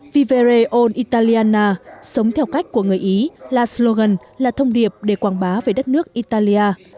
vivere on italiana sống theo cách của người ý là slogan là thông điệp để quảng bá về đất nước italia